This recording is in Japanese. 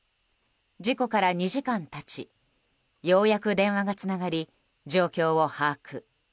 事故から２時間経ち、ようやく電話がつながり状況を把握。